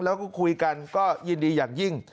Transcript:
แล้วก็คุยกันก็ยินดีอย่างยิ่ง